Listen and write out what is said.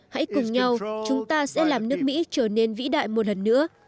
hãy cùng nhau chúng ta sẽ làm nước mỹ trở nên vĩ đại một lần nữa